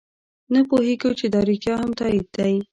نه پوهېږو چې دا رښتیا هم تایید دی.